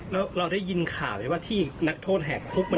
แล้วเราได้ยินข่าวไหมว่าที่นักโทษแห่งครบมันอยู่ไหน